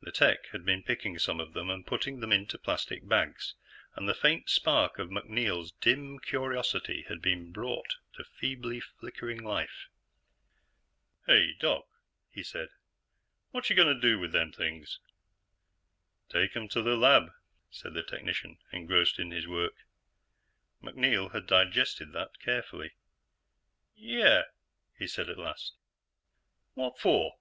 The tech had been picking some of them and putting them into plastic bags, and the faint spark of MacNeil's dim curiosity had been brought to feebly flickering life. "Hey, Doc," he'd said, "whatcha gonna do with them things?" "Take 'em to the lab," said the technician, engrossed in his work. MacNeil had digested that carefully. "Yeah?" he'd said at last. "What for?"